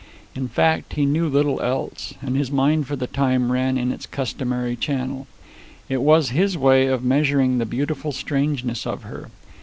In fact, he knew little else, and his mind for the time ran in its customary channel. It was his way of measuring the beautiful strangeness of her.